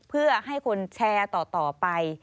เพื่อให้คนแชร์ต่อไป